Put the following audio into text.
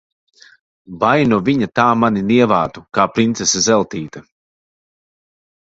Vai nu viņa tā mani nievātu, kā princese Zeltīte!